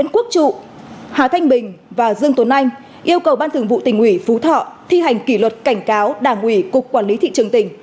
quốc trụ hà thanh bình và dương tuấn anh yêu cầu ban thường vụ tỉnh ủy phú thọ thi hành kỷ luật cảnh cáo đảng ủy cục quản lý thị trường tỉnh